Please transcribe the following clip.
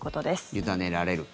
委ねられると。